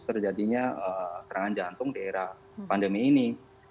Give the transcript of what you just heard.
terjadinya serangan jantung di era pandemi ini